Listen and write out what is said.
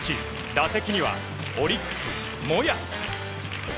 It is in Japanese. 打席にはオリックス、モヤ。